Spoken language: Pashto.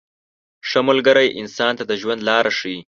• ښه ملګری انسان ته د ژوند لاره ښیي.